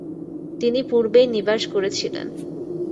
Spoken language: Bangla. তিনি পূর্বেই নিবাস গড়েছিলেন।